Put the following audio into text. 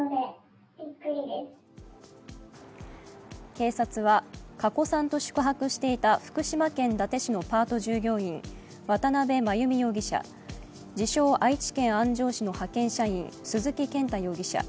警察は加古さんと宿泊してた福島県伊達市のパート従業員、渡邉真由美容疑者、自称・愛知県安城市の派遣社員、鈴木健太容疑者